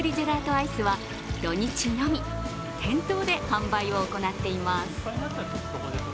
アイスは土日のみ、店頭で販売を行っています。